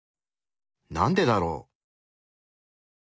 なんでだろう？